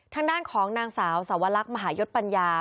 ทางด้านของนางสาวสาวรักษณ์มหายศปรรญญา